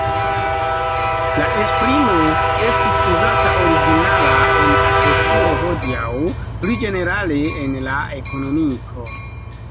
La esprimo estis uzata originala en la asekuro, hodiaŭ pli ĝenerale en la ekonomiko.